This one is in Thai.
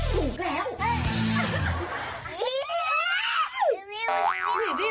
รีวิวสิคุณขานี่